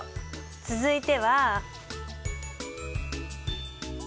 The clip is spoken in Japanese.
続いては。